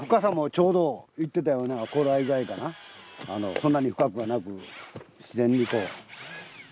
そんなに深くはなく自然にこう。